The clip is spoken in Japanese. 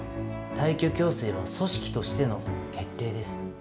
退去強制は組織としての決定です。